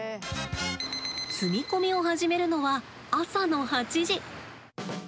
積み込みを始めるのは朝の８時。